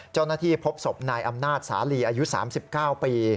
เจ้าหน้าที่พบศพนายอำนาจสาลีอายุ๓๙ปี